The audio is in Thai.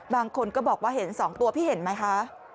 บางคนก็บอกว่าเห็น๒ตัวพี่เห็นไหมคะ